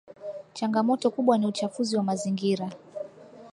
changamoto kubwa ni uchafuzi wa mazingira